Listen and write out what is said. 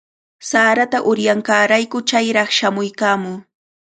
Sarata uryanqaarayku chayraq shamuykaamuu.